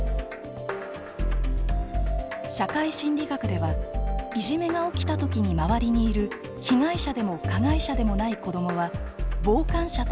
社会心理学ではいじめが起きた時に周りにいる被害者でも加害者でもない子どもは傍観者と呼ばれています。